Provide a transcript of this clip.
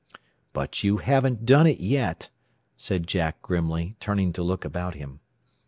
"But you haven't done it yet," said Jack grimly, turning to look about him.